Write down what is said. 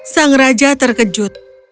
sang raja terkejut